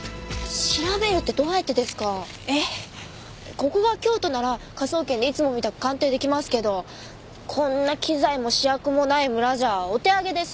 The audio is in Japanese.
ここが京都なら科捜研でいつもみたく鑑定出来ますけどこんな機材も試薬もない村じゃお手上げです。